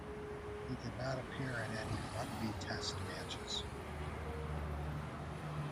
He did not appear in any rugby Test matches.